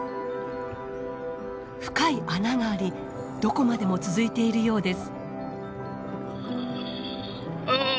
深い穴がありどこまでも続いているようです。